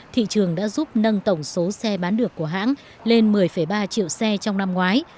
thị trường đã giúp nâng tổng số xe bán được của hãng lên một mươi ba triệu xe trong năm ngoái